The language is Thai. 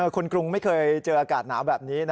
กรุงไม่เคยเจออากาศหนาวแบบนี้